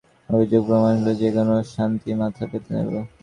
আমার বিরুদ্ধে চাঁদাবাজির অভিযোগ প্রমাণ হলে যেকোনো শাস্তি মাথা পেতে নেব।